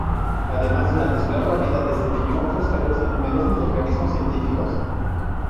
Además, durante su larga vida, desempeñó otros cargos en numerosos organismos científicos.